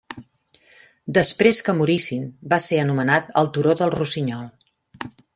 Després que morissin va ser anomenat el turó del rossinyol.